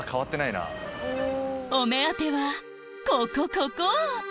お目当てはここここ！